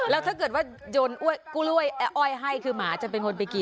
แล้วถ้าหากร้วยให้คือหมามัยก็จะไปกิน